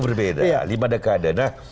berbeda lima dekade nah